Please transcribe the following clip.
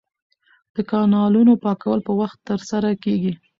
د کانالونو پاکول په وخت ترسره کیږي.